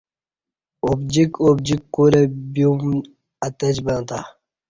ابجیک ابجیک کولہ بیوم اتجبں تں